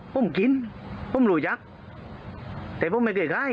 ผมกินผมรุยสัตว์แต่ผมไม่เคยกล้าย